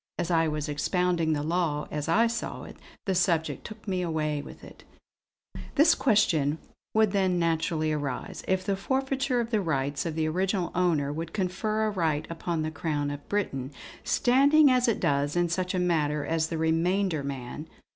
As I was expounding the law, as I saw it, the subject took me away with it: "This question would then naturally arise: if the forfeiture of the rights of the original owner would confer a right upon the Crown of Britain, standing as it does in such a matter as the 'remainder man.'